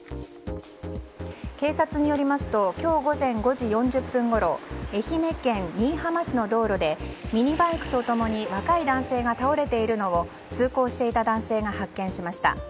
警察によりますと今日午前５時４０分ごろ愛媛県新居浜市の道路でミニバイクと共に若い男性が倒れているのを通行していた男性が発見しました。